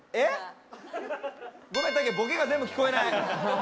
ごめん、たけ、ボケが全部聞こえない。